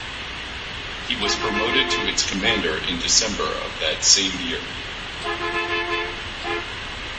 He was promoted to its commander in December of that same year.